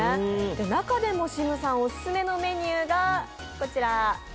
中でもシムさんオススメのメニューがこちら。